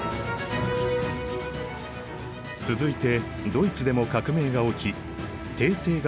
続いてドイツでも革命が起き帝政が解体。